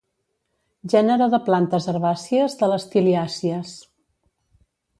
Gènere de plantes herbàcies de les tiliàcies.